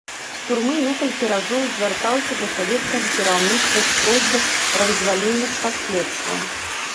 З турмы некалькі разоў звяртаўся да савецкага кіраўніцтва з просьбай пра вызвалення з-пад следства.